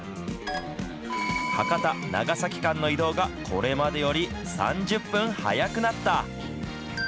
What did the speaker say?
博多・長崎間の移動がこれまでより３０分早くなった。